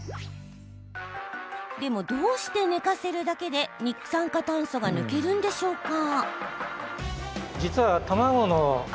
でも、どうして寝かせるだけで二酸化炭素が抜けるんでしょうか？